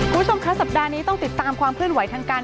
คุณผู้ชมคะสัปดาห์นี้ต้องติดตามความเคลื่อนไหวทางการ